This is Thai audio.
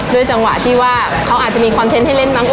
จังหวะที่ว่าเขาอาจจะมีคอนเทนต์ให้เล่นมั้